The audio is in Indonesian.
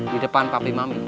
di depan papi mami